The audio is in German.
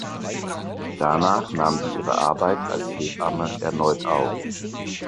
Danach nahm sie ihre Arbeit als Hebamme erneut auf.